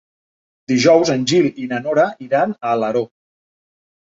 Dijous en Gil i na Nora iran a Alaró.